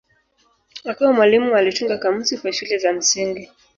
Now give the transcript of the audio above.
Akiwa mwalimu alitunga kamusi kwa shule za msingi.